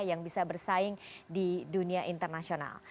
yang bisa bersaing di dunia internasional